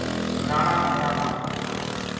فلانا مورا ما ستو ہے